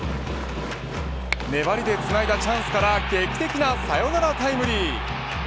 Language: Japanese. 粘りでつないだチャンスから劇的なサヨナラタイムリー。